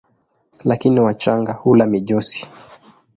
Lakini wachanga hula mijusi.